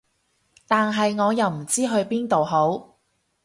但係我又唔知去邊度好